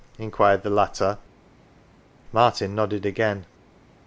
" inquired the latter. Martin nodded again.